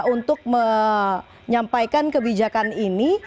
untuk menyampaikan kebijakan ini